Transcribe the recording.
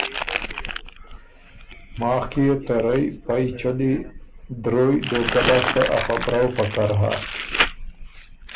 ماخ کی يې ته رئ پئ چلی، درویٛ، دهوکۀ لاسته ا خبرؤ پکر هۀ۔